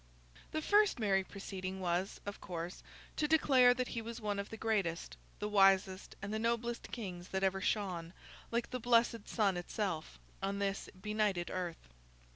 The first merry proceeding was—of course—to declare that he was one of the greatest, the wisest, and the noblest kings that ever shone, like the blessed sun itself, on this benighted earth.